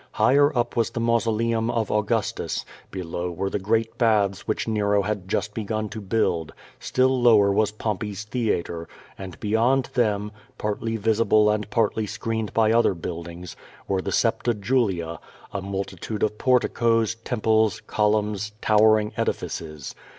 Higher up was the mausoleum of Augustus; below were the great baths which Nero had just begun to build; still lower was Pompey's Thea tre, and beyond them, partly visible and partly screened l)y other buildings, were the Septa Julia, a multitude of porticos, temples, columns, towering edifices.